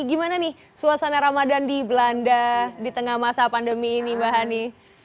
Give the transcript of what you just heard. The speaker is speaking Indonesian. gimana nih suasana ramadan di belanda di tengah masa pandemi ini mbak hani